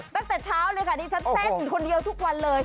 ตั้งแต่เช้าเลยค่ะดิฉันเต้นคนเดียวทุกวันเลย